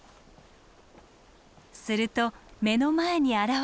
すると目の前に現れたのは。